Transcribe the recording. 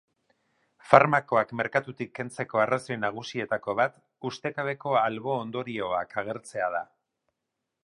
Farmakoak merkatutik kentzeko arrazoi nagusietako bat ustekabeko albo-ondorioak agertzea da.